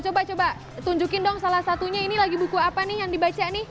coba coba tunjukin dong salah satunya ini lagi buku apa nih yang dibaca nih